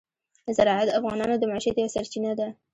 زراعت د افغانانو د معیشت یوه سرچینه ده.